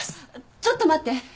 ちょっと待って。